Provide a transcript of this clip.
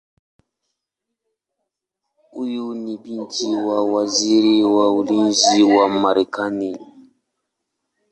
Huyu ni binti wa Waziri wa Ulinzi wa Marekani Bw.